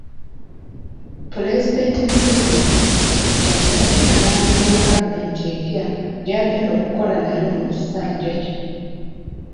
Pulezidenti Museveni, kyaddaaki alangiridde kabineeti empya gy’agenda okukola nayo mu kisanja kino.